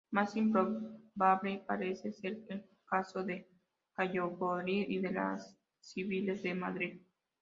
Más improbable parece ser el caso de Valladolid, y de las civiles de Madrid.